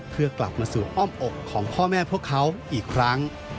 เพื่อกลับมาสู่อ้อมอกของพ่อแม่พวกเขาอีกครั้ง